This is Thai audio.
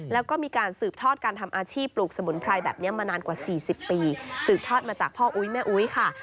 แล้วก็มีการสืบทอดการทำอาชีพปลูกสมุนไพรแบบนี้มานานกว่า๔๐ปีสืบทอดมาจากพ่ออุ๊ยแม่อุ๊ยค่ะ